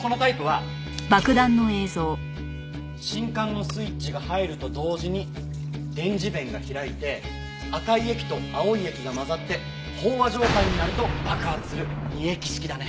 このタイプは信管のスイッチが入ると同時に電磁弁が開いて赤い液と青い液が混ざって飽和状態になると爆発する二液式だね。